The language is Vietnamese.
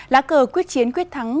lá cờ quyết chiến quyết thắng